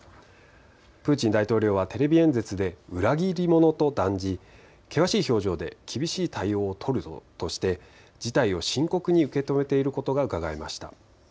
プーチン大統領はテレビ演説で裏切り者と断じ、険しい表情で厳しい対応を取るとして事態を深刻に受け止めていることがうかがえました。